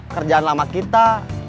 kerjaan lama kita